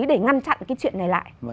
để ngăn chặn cái chuyện này lại